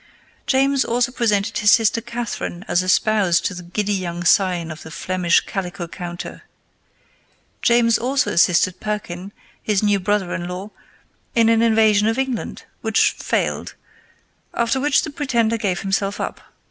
James also presented his sister Catherine as a spouse to the giddy young scion of the Flemish calico counter. James also assisted Perkin, his new brother in law, in an invasion of England, which failed, after which the pretender gave himself up.